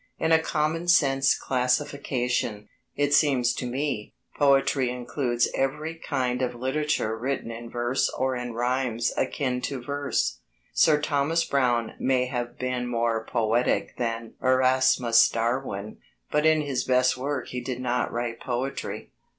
In a common sense classification, it seems to me, poetry includes every kind of literature written in verse or in rhythms akin to verse. Sir Thomas Browne may have been more poetic than Erasmus Darwin, but in his best work he did not write poetry.